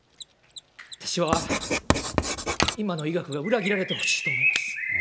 私は、今の医学が裏切られてほしいと思います。